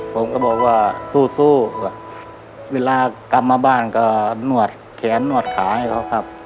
ผมก็บอกว่าสู้เวลากลับมาบ้านก็นวดแขนนวดขาให้เขาครับ